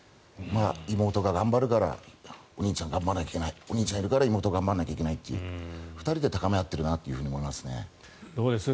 妹が頑張るからお兄ちゃん頑張らなきゃいけないお兄ちゃんがいるから妹、頑張らなきゃいけないという２人で高め合っているなと思いますね。